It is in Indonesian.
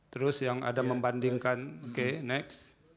terus yang ada membandingkan g next